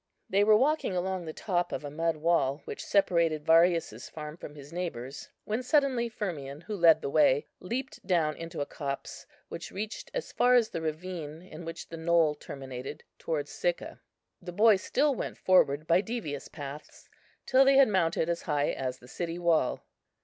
They were walking along the top of a mud wall, which separated Varius's farm from his neighbour's, when suddenly Firmian, who led the way, leapt down into a copse, which reached as far as the ravine in which the knoll terminated towards Sicca. The boy still went forward by devious paths, till they had mounted as high as the city wall.